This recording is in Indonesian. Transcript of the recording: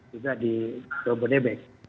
di jawa barat di jawa berdebek